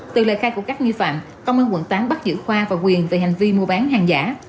từ lời khai của các nghi phạm công an quận tám bắt giữ khoa và quyền về hành vi mua bán hàng giả